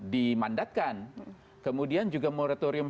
dimandatkan kemudian juga moratorium